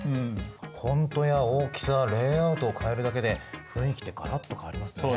フォントや大きさレイアウトを変えるだけで雰囲気ってガラッと変わりますね。